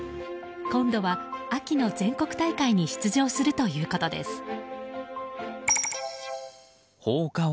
今度は、秋の全国大会に出場するということです。